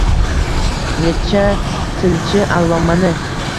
Necha tilchi allomani.